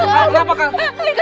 pak yai apa pak